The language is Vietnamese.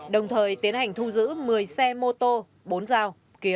đồng thời tiến hành thu giữ một mươi xe mô tô bốn dao